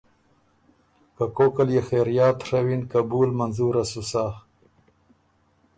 که کوک ال يې خېریات ڒوِّن قبول منظوره سُو سَۀ۔